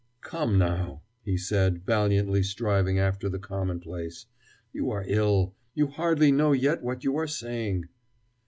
"Come, now," he said, valiantly striving after the commonplace, "you are ill you hardly know yet what you are saying."